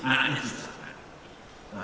anaknya susah kan